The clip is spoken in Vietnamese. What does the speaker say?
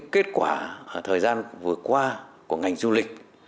kết quả thời gian vừa qua của ngành du lịch